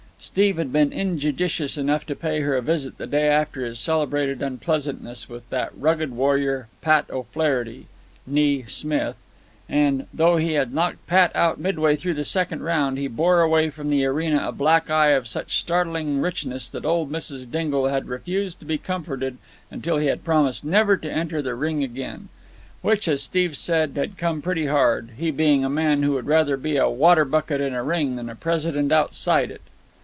Steve had been injudicious enough to pay her a visit the day after his celebrated unpleasantness with that rugged warrior, Pat O'Flaherty (ne Smith), and, though he had knocked Pat out midway through the second round, he bore away from the arena a black eye of such a startling richness that old Mrs. Dingle had refused to be comforted until he had promised never to enter the ring again. Which, as Steve said, had come pretty hard, he being a man who would rather be a water bucket in a ring than a president outside it.